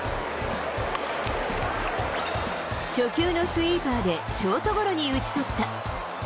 初球のスイーパーでショートゴロに打ち取った。